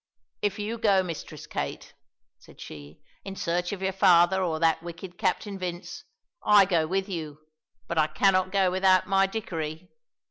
"If you go, Mistress Kate," said she, "in search of your father or that wicked Captain Vince, I go with you, but I cannot go without my Dickory.